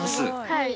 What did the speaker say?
はい。